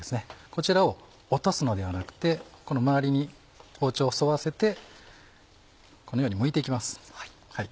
こちらを落とすのではなくてこの周りに包丁を沿わせてこのようにむいて行きます。